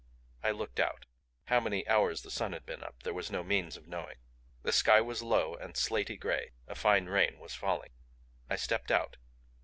I looked out. How many hours the sun had been up there was no means of knowing. The sky was low and slaty gray; a fine rain was falling. I stepped out.